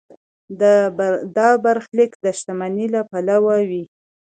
دا برخلیک د شتمنۍ له پلوه وي.